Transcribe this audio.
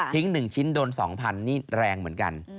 ๑ชิ้นโดน๒๐๐นี่แรงเหมือนกัน